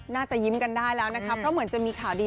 น่าจะยิ้มกันได้แล้วนะคะเพราะเหมือนจะมีข่าวดี